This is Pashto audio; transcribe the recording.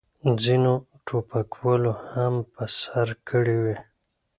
ځینو ټوپکوالو هم په سر کړې وې.